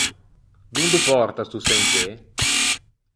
Dond’o pòrta sto sentê?